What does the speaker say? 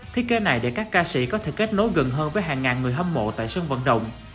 thiết kế này để các ca sĩ có thể kết nối gần hơn với hàng ngàn người hâm mộ tại sân vận động